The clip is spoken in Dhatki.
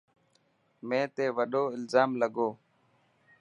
مين تي وڏو الزام لڳو.